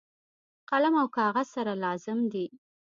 قلم او کاغذ سره لازم دي.